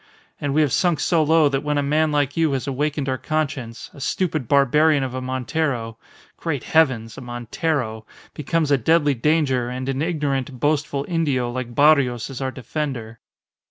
And we have sunk so low that when a man like you has awakened our conscience, a stupid barbarian of a Montero Great Heavens! a Montero! becomes a deadly danger, and an ignorant, boastful Indio, like Barrios, is our defender."